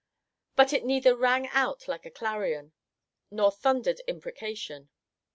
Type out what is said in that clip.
But it neither "rang out like a clarion," nor "thundered imprecation."